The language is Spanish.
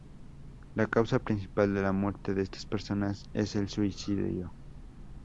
La causa principal de la muerte de estas personas es el suicidio.